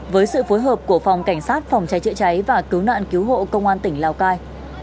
với sự phối hợp của phòng cảnh sát phòng cháy chữa cháy và cứu nạn cứu hộ công an tỉnh lào cai